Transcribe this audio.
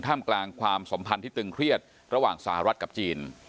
มกลางความสัมพันธ์ที่ตึงเครียดระหว่างสหรัฐกับจีน